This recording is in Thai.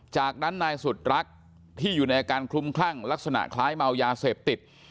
จากนั้นนายสุดรักที่อยู่ในอาการคลุมคลั่งลักษณะคล้ายเมายาเสพติด